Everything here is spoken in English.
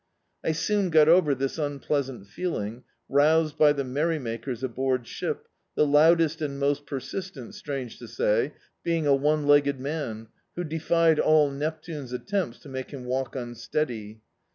I soon got over this unpleasant feeling, roused l^ the merry makers aboard ship, the loudest and most persistent, strange to say, being a one legged man, who defied all Neptune's attempts to make him walk unsteady.